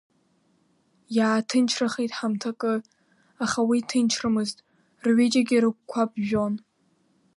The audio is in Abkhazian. Иааҭынчрахеит ҳамҭакы, аха уи ҭынчрамызт, рҩыџьагьы рыгәқәа ԥжәон.